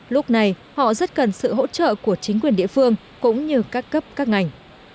lúc này họ rất cần sự hỗ trợ của chính quyền địa phương cũng như các cấp các ngành